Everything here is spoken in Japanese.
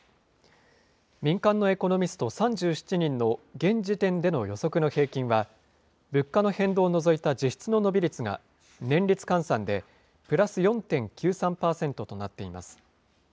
民間のエコノミスト３７人の現時点での予測の平均は、物価の変動を除いた実質の伸び率が、年率換算でプラス４．９３％となっています。